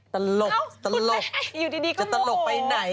ตลกตลกจะตลกไปไหน